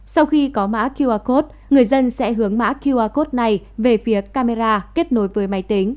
sau khi có mã qr code người dân sẽ hướng mã qr code này về phía camera kết nối với máy tính